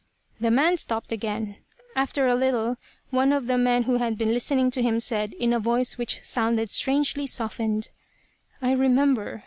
The man stopped again. After a little, one of the men who had been listening to him said, in a voice which sounded strangely softened: "I remember.